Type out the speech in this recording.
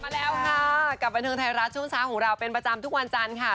มาแล้วค่ะกับบันเทิงไทยรัฐช่วงเช้าของเราเป็นประจำทุกวันจันทร์ค่ะ